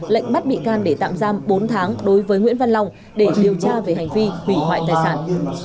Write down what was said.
lệnh bắt bị can để tạm giam bốn tháng đối với nguyễn văn long để điều tra về hành vi hủy hoại tài sản